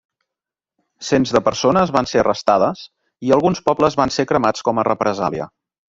Cents de persones van ser arrestades i alguns pobles van ser cremats com a represàlia.